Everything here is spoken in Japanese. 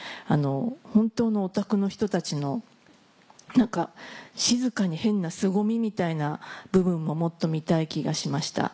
本当のオタクの人たちの何か静かに変なすごみみたいな部分ももっと見たい気がしました。